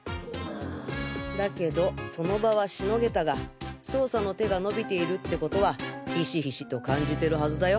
だけどその場はしのげたが捜査の手がのびているって事はひしひしと感じてるはずだよ。